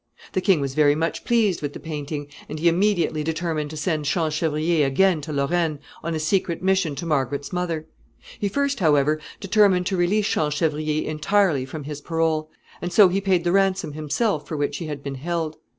The king was very much pleased with the painting, and he immediately determined to send Champchevrier again to Lorraine on a secret mission to Margaret's mother. He first, however, determined to release Champchevrier entirely from his parole, and so he paid the ransom himself for which he had been held.